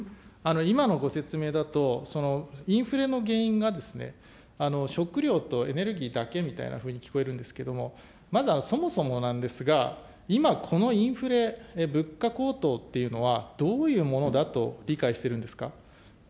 今のご説明だと、インフレの原因が、食料とエネルギーだけみたいなふうに聞こえるんですけれども、まずは、そもそもなんですが、今、このインフレ、物価高騰っていうのは、どういうものだと理解してるんですか。